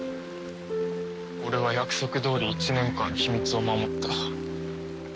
俺は約束どおり１年間秘密を守った。